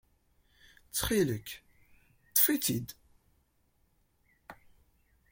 Ttxil-k, ṭṭef-itt-id.